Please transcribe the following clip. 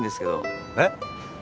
えっ？